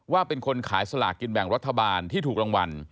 ว่าเป็นคนขายสลากกินแบ่งรัฐบาลที่ถูกรางวัล